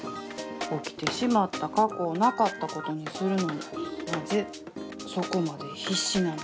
起きてしまった過去をなかったことにするのになぜそこまで必死なんでしょう。